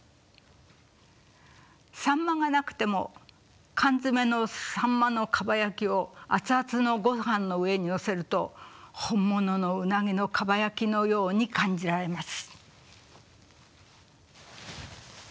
秋刀魚がなくても缶詰の秋刀魚のかば焼きをあつあつのごはんの上にのせると本物のうなぎのかば焼きのように感じられます。